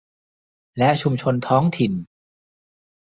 และชุมชนท้องถิ่น